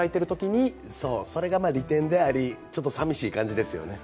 それが利点であり、ちょっと寂しい感じですよね。